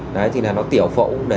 đấy thì là nó tiểu phẫu để